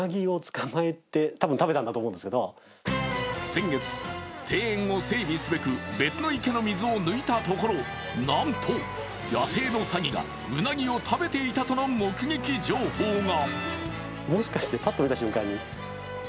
先月、庭園を整備すべく、別の池の水を抜いたところ、なんと野生のサギがうなぎを食べていたとの目撃情報が。